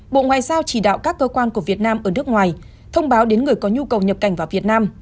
bộ ngoại giao chỉ đạo các cơ quan của việt nam ở nước ngoài thông báo đến người có nhu cầu nhập cảnh vào việt nam